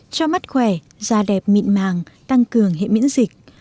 cho mắt khỏe da đẹp mịn màng tăng cường hệ miễn dịch